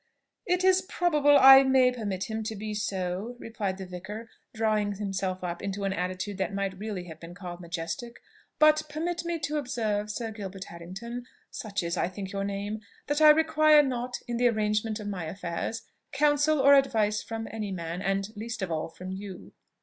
"It is probable I may permit him to be so," replied the vicar, drawing himself up into an attitude that might really have been called majestic. "But permit me to observe, Sir Gilbert Harrington, such is, I think, your name, that I require not in the arrangement of my affairs counsel or advice from any man, and least of all from you."